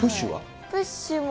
プッシュは？